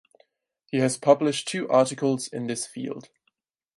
He has published two articles in this field.